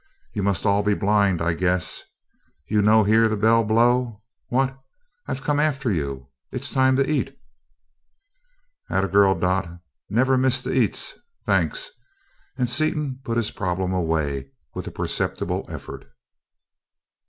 "You must all be blind, I guess you no hear the bell blow, what? I've come after you it's time to eat!" "'At a girl, Dot never miss the eats! Thanks," and Seaton put his problem away, with perceptible effort.